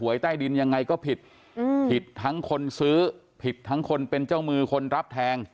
ใต้ดินยังไงก็ผิดผิดทั้งคนซื้อผิดทั้งคนเป็นเจ้ามือคนรับแทง